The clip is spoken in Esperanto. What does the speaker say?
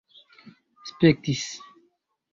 spektis